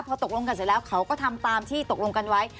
พอตกลงกันเสร็จแล้วเขาก็ทำตามที่ตกลงกันไว้